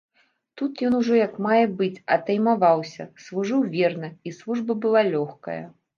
Тут ён ужо як мае быць атаймаваўся, служыў верна, і служба была лёгкая.